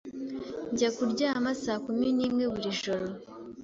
Njya kuryama saa kumi n'imwe buri joro.